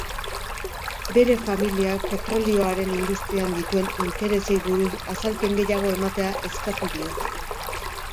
Bere familiak petrolioaren industrian dituen interesei buruz azalpen gehiago ematea eskatu diote.